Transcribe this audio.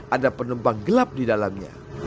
ada penumpang gelap di dalamnya